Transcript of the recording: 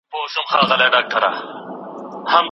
تجربوي اړیکې ستونزې حلوي.